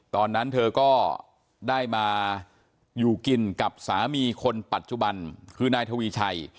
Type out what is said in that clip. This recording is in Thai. ตอนนั้นเธอก็ได้มาอยู่กินกับสามีคนปัจจุบันคือนายทวีชัย